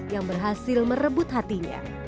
yang berhasil merebut hatinya